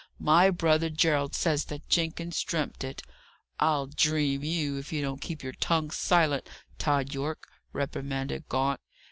"My brother Gerald says that Jenkins dreamt it." "I'll 'dream' you, if you don't keep your tongue silent, Tod Yorke," reprimanded Gaunt.